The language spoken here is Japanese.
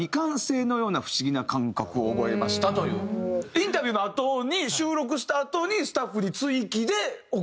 インタビューのあとに収録したあとにスタッフに追記で送ってきてくださった。